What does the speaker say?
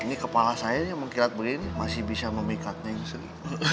ini kepala saya yang mengkilat begini masih bisa memikat neng sri